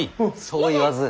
そう言わず。